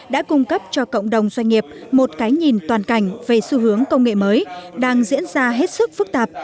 đã cung cấp cho cộng đồng doanh nghiệp một cái nhìn toàn cảnh về xu hướng công nghệ mới đang diễn ra hết sức phức tạp